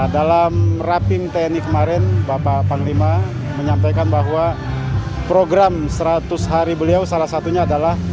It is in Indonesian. dalam rapim tni kemarin bapak panglima menyampaikan bahwa program seratus hari beliau salah satunya adalah